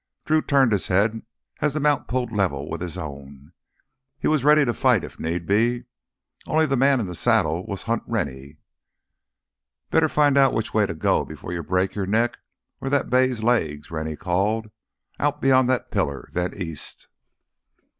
Drew turned his head as the mount pulled level with his own. He was ready to fight if need be. Only the man in the saddle was Hunt Rennie. "Better find out which way to go before you break your neck or that bay's legs," Rennie called. "Out beyond that pillar—then east."